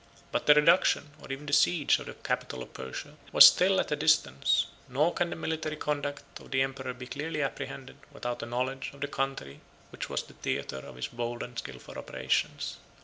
But the reduction, or even the siege, of the capital of Persia, was still at a distance: nor can the military conduct of the emperor be clearly apprehended, without a knowledge of the country which was the theatre of his bold and skilful operations.